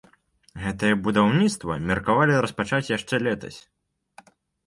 Гэтае будаўніцтва меркавалі распачаць яшчэ летась.